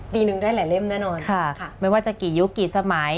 หนึ่งได้หลายเล่มแน่นอนค่ะไม่ว่าจะกี่ยุคกี่สมัย